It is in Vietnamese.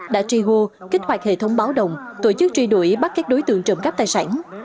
đã tri hô kích hoạt hệ thống báo đồng tổ chức truy đuổi bắt các đối tượng trộm cắp tài sản